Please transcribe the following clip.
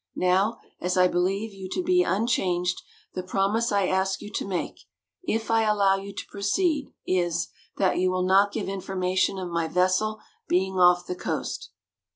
Now, as I believe you to be unchanged, the promise I ask you to make, if I allow you to proceed, is that you will not give information of my vessel being off the coast."